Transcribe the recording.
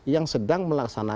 yang sedang melaksanakan amal